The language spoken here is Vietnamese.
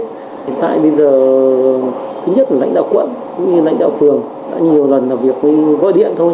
hiện tại bây giờ thứ nhất là lãnh đạo quận cũng như lãnh đạo phường đã nhiều lần làm việc gọi điện thôi